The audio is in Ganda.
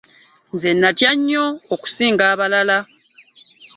Nze nnatya nnyo okusinga abalala.